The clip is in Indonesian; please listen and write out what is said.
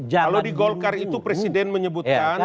kalau di golkar itu presiden menyebutkan